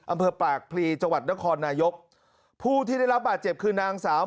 อำเภอปากพลีจังหวัดนครนายกผู้ที่ได้รับบาดเจ็บคือนางสาว